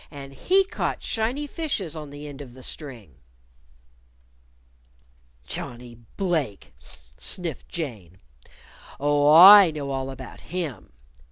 And he caught shiny fishes on the end of the string." "Johnnie Blake!" sniffed Jane. "Oh, I know all about him.